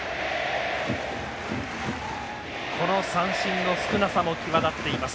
この三振の少なさも際立っています。